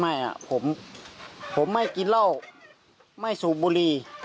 อ่ะผมไม่กินเหล้าไม่สูบบุรี